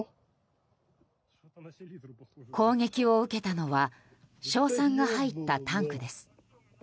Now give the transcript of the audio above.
攻撃を受けたのは硝酸が入ったタンクです。